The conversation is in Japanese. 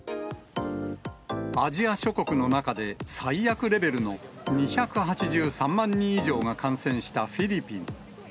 アジア諸国の中で最悪レベルの２８３万人以上が感染したフィリピン。